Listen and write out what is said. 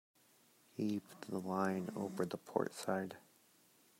Heave the line over the port side.